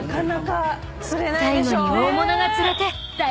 ［最後に大物が釣れて］